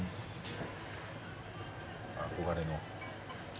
憧れの。